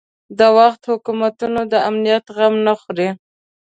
د وخت حکومتونه د امنیت غم نه خوري.